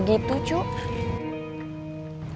bakal ajar kamu sama istri